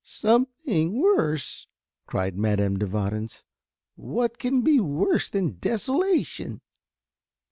"Something worse!" cried Madame de Warens, "what can be worse than desolation?"